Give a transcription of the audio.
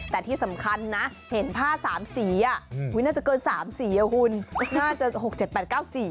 แต่ที่สำคัญนะเห็นผ้า๓สีน่าจะเกิน๓สีน่าจะ๖๗๘๙สี